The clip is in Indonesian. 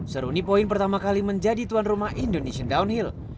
seruni point pertama kali menjadi tuan rumah indonesian downhill